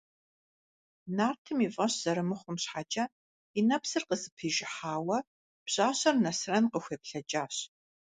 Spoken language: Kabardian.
Нартым и фӀэщ зэрымыхъум щхьэкӀэ и нэпсыр къызэпижыхьауэ пщащэр Нэсрэн къыхуеплъэкӀащ.